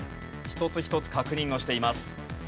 一つ一つ確認をしています。